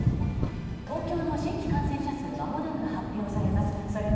東京の新規感染者数がまもなく発表されます。